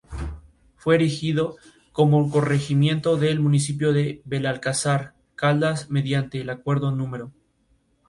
El hospital cuenta en su haber con una amplia gama de especialidades y servicios.